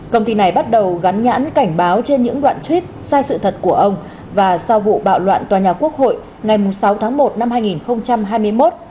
công ty này bắt đầu gắn nhãn cảnh báo trên những đoạn clip sai sự thật của ông và sau vụ bạo loạn tòa nhà quốc hội ngày sáu tháng một năm hai nghìn hai mươi một